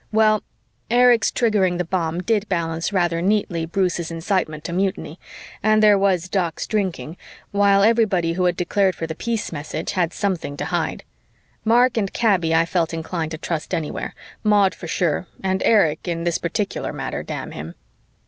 Well, Erich's triggering the bomb did balance rather neatly Bruce's incitement to mutiny, and there was Doc's drinking, while everybody who had declared for the peace message had something to hide. Mark and Kaby I felt inclined to trust anywhere, Maud for sure, and Erich in this particular matter, damn him.